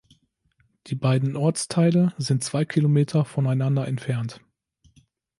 Die beiden Ortsteile sind zwei Kilometer voneinander entfernt.